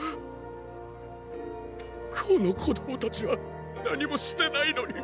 この子供達は何もしてないのに。